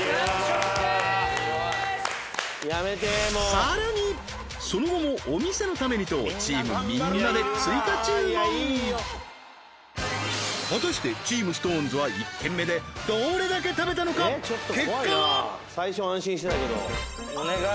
さらにその後もお店のためにとチームみんなで追加注文果たしてチームＳｉｘＴＯＮＥＳは１軒目でどれだけ食べたのか結果はお願い